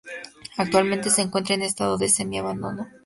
Actualmente se encuentra en estado de semi abandono.